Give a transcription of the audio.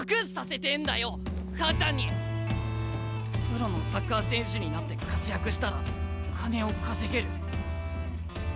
プロのサッカー選手になって活躍したら金を稼げる。